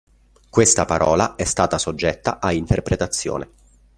Questa parola è stata soggetta a interpretazione.